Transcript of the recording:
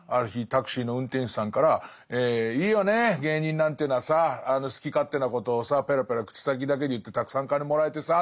タクシーの運転手さんから「いいよね芸人なんていうのはさ好き勝手なことをさペラペラ口先だけで言ってたくさん金もらえてさ」って言われて。